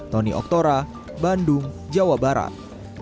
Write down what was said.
tony oktora bandung jawa barat